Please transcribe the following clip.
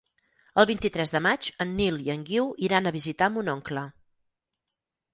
El vint-i-tres de maig en Nil i en Guiu iran a visitar mon oncle.